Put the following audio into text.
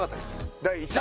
第１話。